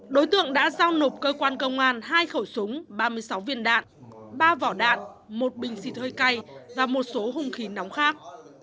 đối tượng đã giao nộp cơ quan công an hai khẩu súng ba mươi sáu viên đạn ba vỏ đạn một bình xịt hơi cay và một số hung khí nóng khác